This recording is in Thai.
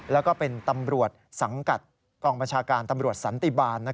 แล้วก็เป็นตำรวจสังกัดกองบัญชาการตำรวจสันติบาล